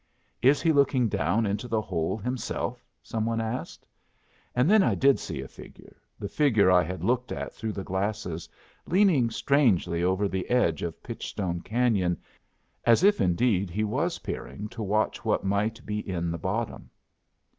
"Is he looking down into the hole himself?" some one asked; and then I did see a figure, the figure I had looked at through the glasses, leaning strangely over the edge of Pitchstone Canyon, as if indeed he was peering to watch what might be in the bottom.